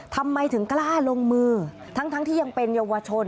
ทำไมถึงกล้าลงมือทั้งที่ยังเป็นเยาวชน